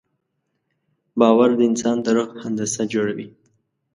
باور د انسان د روح هندسه جوړوي.